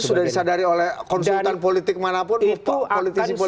dan itu sudah disadari oleh konsultan politik manapun atau politisi politisi manapun